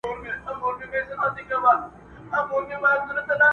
ما جوړ كړي په قلاوو كي غارونه٫